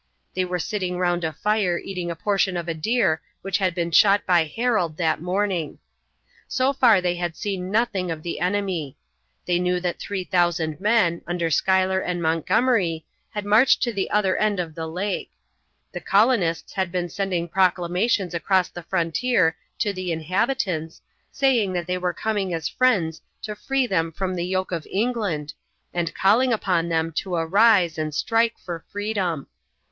They were sitting round a fire eating a portion of a deer which had been shot by Harold that morning. So far they had seen nothing of the enemy. They knew that 3000 men, under Schuyler and Montgomery, had marched to the other end of the lake. The colonists had been sending proclamations across the frontier to the inhabitants, saying that they were coming as friends to free them from the yoke of England and calling upon them to arise and strike for freedom.